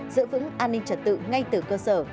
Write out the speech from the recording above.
giữ vững an ninh trật tự ngay từ cơ sở